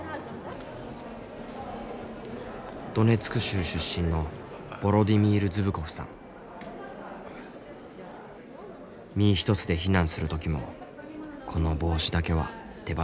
ドネツク州出身の身一つで避難する時もこの帽子だけは手放さなかったという。